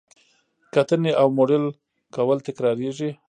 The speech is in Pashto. کتنې او موډل کول تکراریږي.